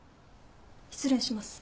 失礼します。